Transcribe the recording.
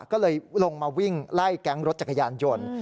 ก็เลยลงมาวิ่งไล่แก๊งรถจักรยานยนต์